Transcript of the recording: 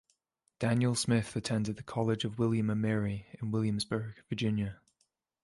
Daniel Smith attended the College of William and Mary in Williamsburg, Virginia.